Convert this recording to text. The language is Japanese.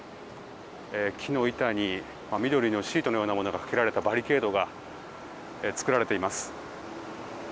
木の板に緑のシートのようなものがかけられたバリケードが作られています。